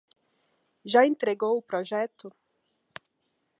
Já entregou o projeto?